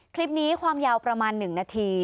คลิปนี้ความยาวประมาณ๑นาที